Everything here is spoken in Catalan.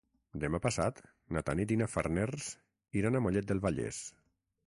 Demà passat na Tanit i na Farners iran a Mollet del Vallès.